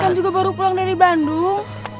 eros kan juga baru pulang dari bandung